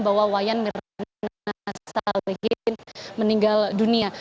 bahwa wayan mirna salihin meninggal dunia